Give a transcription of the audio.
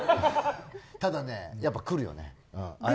ただね、やっぱりくるよね。